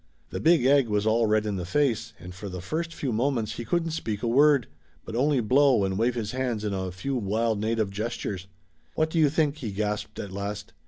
The Big Egg was all red in the face, and for the first few moments he couldn't speak a word, but only blow and wave his hands in a few wild native gestures. "What do you think?" he gasped at last.